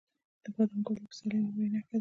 د بادام ګل د پسرلي لومړنی نښه ده.